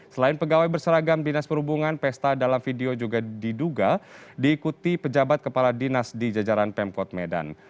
selain pegawai berseragam dinas perhubungan pesta dalam video juga diduga diikuti pejabat kepala dinas di jajaran pemkot medan